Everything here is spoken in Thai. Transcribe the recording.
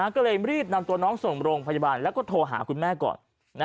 ก็เลยรีบนำตัวน้องส่งโรงพยาบาลแล้วก็โทรหาคุณแม่ก่อน